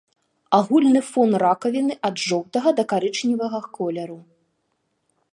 Агульны фон ракавіны ад жоўтага да карычневага колеру.